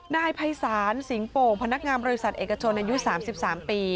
นายไพรสานสิงโปพนักงามรอบริษัทเอกจนในยุค๓๓ปี